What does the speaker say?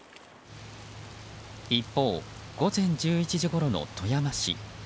一方、午前１１時ごろの富山市。